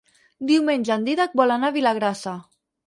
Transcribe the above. Diumenge en Dídac vol anar a Vilagrassa.